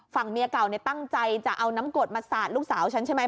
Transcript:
ฝั่งเมียเก่าตั้งใจจะเอาน้ำกรดมาสาดลูกสาวฉันใช่ไหม